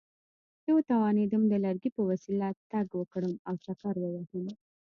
چې وتوانېدم د لرګي په وسیله تګ وکړم او چکر ووهم.